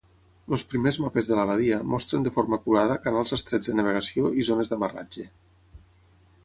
Els primers mapes de la badia mostren de forma acurada canals estrets de navegació i zones d'amarratge.